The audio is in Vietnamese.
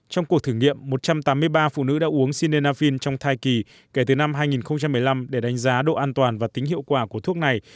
trong cuộc thử nghiệm một trăm tám mươi ba phụ nữ đã uống sinafin trong thai kỳ kể từ năm hai nghìn một mươi năm để đánh giá độ an toàn và tính hiệu quả của thuốc này